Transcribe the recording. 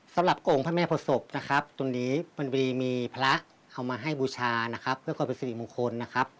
สำหรับองค์พระแม่ประสบนะครับตรงนี้มันมีมีพระเอามาให้บูชานะครับเพื่อกรปศิษย์มงคลนะครับ